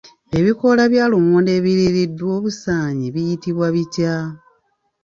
Ebikoola bya lumonde ebiriiriddwa obusaanyi biyitibwa bitya?